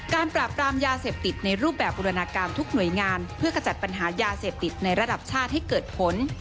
ปราบปรามยาเสพติดในรูปแบบบุรณาการทุกหน่วยงานเพื่อขจัดปัญหายาเสพติดในระดับชาติให้เกิดผล